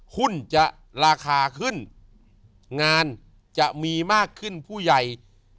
หุ้นจะราคาขึ้นงานจะมีมากขึ้นผู้ใหญ่